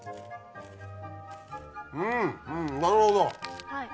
うんなるほど。